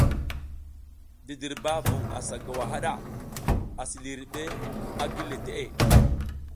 Didirba vung asa gowa haɗa, asi lihiriɗ a gile teʼe.